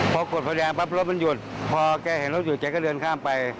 พอกดไฟแดงปั๊บรถมันหยุดพอแกเห็นรถหยุดแกก็เดินข้ามไป